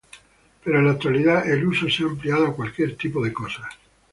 Pero, en la actualidad, el uso se ha ampliado a cualquier tipo de cosas.